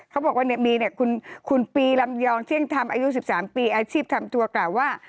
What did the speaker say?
เขาบอกว่ามีคุณปีลำยองเที่ยงธรรมอายุ๑๓ปีอาชีพทำทัวร์กล่าวว่า